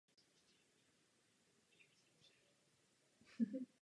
Hlavním problémem teorií popisujících vznik těchto planet je doba jejich vzniku.